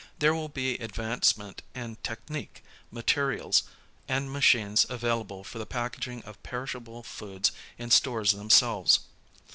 There will be advance ment in technique, materials, and machines available for the packaging of perishable foods in stores themselves.